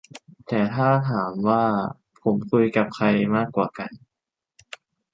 แต่ถ้าถามว่าผมคุยกับใครมากกว่ากัน